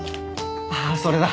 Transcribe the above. あっそれだ。